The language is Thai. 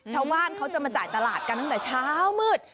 ชาวบ้านเขาจะมาจ่ายตลาดกันตั้งแต่เช้ามืด